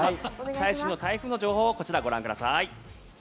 最新の台風の情報をこちらご覧ください。